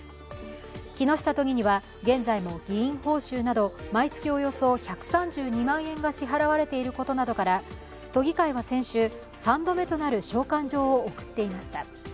木下都議には現在も議員報酬など毎月およそ１３２万円が支払われていることなどから都議会は先週、３度目となる召喚状を送っていました。